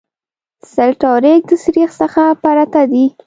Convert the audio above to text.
سلټ او ریګ د سریښ څخه پرته دي